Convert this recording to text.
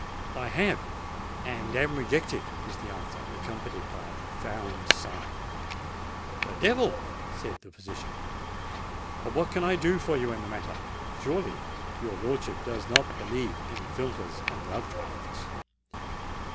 "I have—and am rejected," was the answer, accompanied by a profound sigh. "The devil!" said the physician. "But what can I do for you in the matter? Surely your lordship does not believe in philtres and love draughts?"